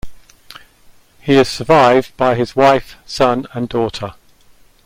He is survived by his wife, son and daughter.